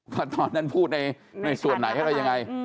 ตอนนั้นพูดในส่วนไหนอะไรยังไง